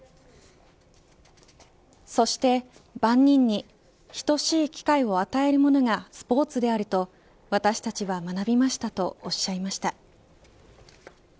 そして万人に等しい機会を与えるものがスポーツであると私たちは学びましたとおっしゃいました。